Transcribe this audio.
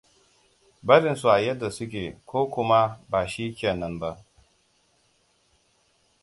Barinsu a yadda su ke ko kuma ba shi ke nan ba.